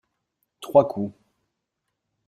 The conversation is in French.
Trois coups.